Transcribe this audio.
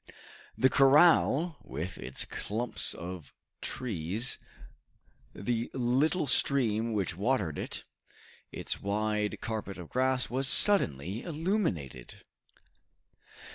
The corral, with its clumps of trees, the little stream which watered it, its wide carpet of grass, was suddenly illuminated.